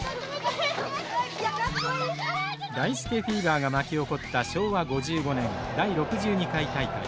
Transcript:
ダイスケフィーバーが巻き起こった昭和５５年第６２回大会。